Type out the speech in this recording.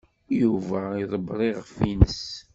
Yuba iḍebber iɣef-nnes.